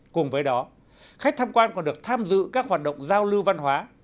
cùng với đó khách tham quan còn được tham dự các hoạt động giao lưu văn hóa